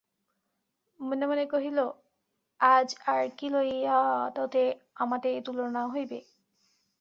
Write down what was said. মনে মনে কহিল, আজ আর কী লইয়া তোতে আমাতে তুলনা হইবে।